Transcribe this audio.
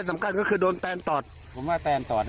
มาขโมยปั๊มน้ำ